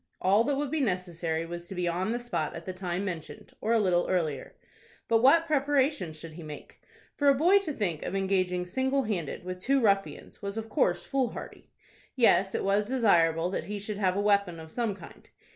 All that would be necessary was to be on the spot at the time mentioned, or a little earlier. But what preparations should he make? For a boy to think of engaging single handed with two ruffians was of course foolhardy. Yet it was desirable that he should have a weapon of some kind.